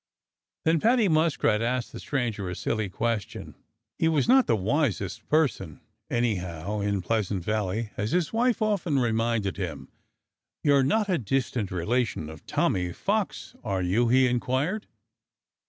Then Paddy Muskrat asked the stranger a silly question. He was not the wisest person, anyhow, in Pleasant Valley, as his wife often reminded him. "You're not a distant relation of Tommy Fox, are you?" he inquired.